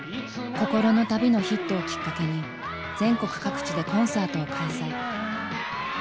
「心の旅」のヒットをきっかけに全国各地でコンサートを開催。